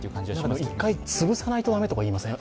１回、潰さないとダメって言いません？